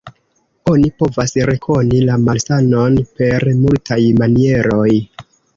Oni povas rekoni la malsanon per multaj manieroj.